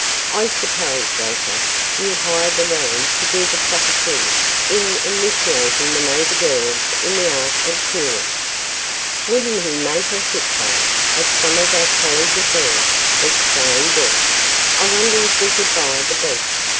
I suppose, Walter, you hired the ram to do the proper thing in initiating the motor girls in the art of touring?" "Wouldn't he make a hit, though, at some of our college affairs!" exclaimed Ed. "I wonder if we could buy the beast?